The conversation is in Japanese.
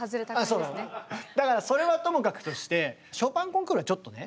そうなのだからそれはともかくとしてショパン・コンクールはちょっとね。